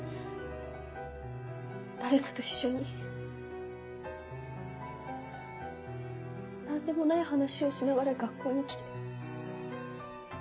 誰かと一緒に何でもない話をしながら学校に来て。